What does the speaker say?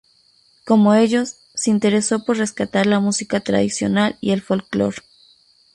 Como ellos, se interesó por rescatar la música tradicional y el folclore.